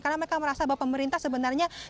karena mereka merasa bahwa pemerintah sebenarnya